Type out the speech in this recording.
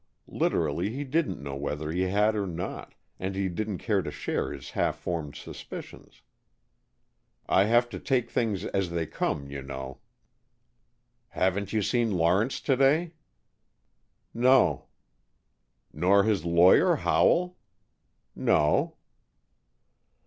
Literally, he didn't know whether he had or not, and he didn't care to share his half formed suspicions. "I have to take things as they come, you know." "Haven't you seen Lawrence to day?" "No." "Nor his lawyer, Howell?" "No."